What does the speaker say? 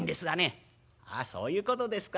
「ああそういうことですか。